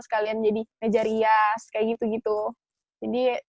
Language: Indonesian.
sekalian jadi meja rias kayak gitu gitu jadi